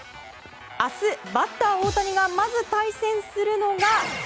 明日、バッター大谷がまず対戦するのが。